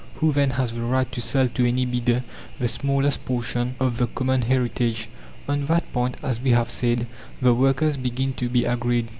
Who, then, has the right to sell to any bidder the smallest portion of the common heritage? On that point, as we have said, the workers begin to be agreed.